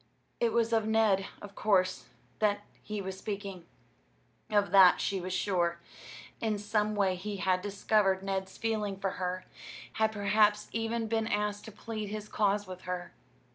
It was of Ned, of course, that he was speaking. Of that she was sure. In some way he had discovered Ned's feeling for her, had perhaps even been asked to plead his cause with her.